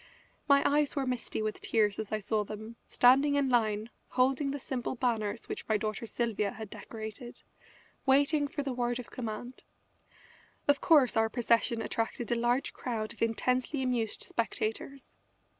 My eyes were misty with tears as I saw them, standing in line, holding the simple banners which my daughter Sylvia had decorated, waiting for the word of command. Of course our procession attracted a large crowd of intensely amused spectators.